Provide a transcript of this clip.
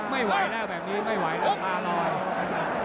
ไม่ไหวแล้วแบบนี้ไม่ไหวแล้วตาลอย